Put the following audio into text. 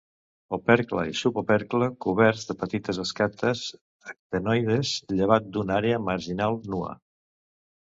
Opercle i subopercle coberts de petites escates ctenoides, llevat d'una àrea marginal nua.